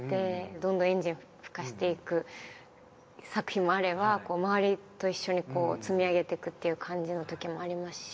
どんどんエンジンをふかしていく作品もあれば周りと一緒に積み上げていくっていう感じのときもありますし。